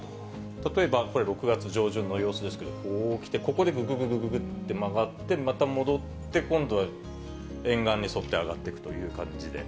例えば、これ、６月上旬の様子ですけれども、こうきて、ここでぐぐぐぐぐって曲がって、また戻って、今度は沿岸に沿って上がっていくという感じで。